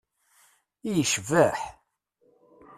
I yecbeḥ!